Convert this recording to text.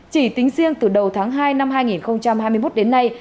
chỉ tính riêng từ đầu tháng hai năm hai nghìn hai mươi một đến nay